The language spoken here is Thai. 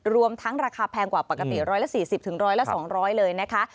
รวมทั้งราคาแพงกว่าปกติร้อยละ๔๐ถึงร้อยละ๒๐๐เลยนะคะ